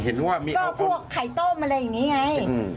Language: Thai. เห็นว่ามีเอาพวกพวกไข่ต้มอะไรแบบนี้ไง